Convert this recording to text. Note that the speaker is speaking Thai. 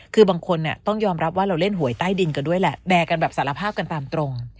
คือบางคนต้องยอมรับว่าเราเล่นหวยใต้ดินกันด้วยแหละแบร์กันแบบสารภาพกันตามตรง